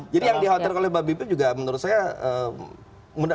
jadi yang dihotel oleh mbak bipin juga menurut saya